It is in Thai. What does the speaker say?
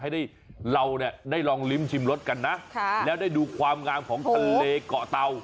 ให้เราได้ลองริมทรีสชิมรถกันนะแล้วได้ดูความงาวของทะเลเก่าเต่า